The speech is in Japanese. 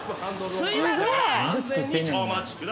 すいません。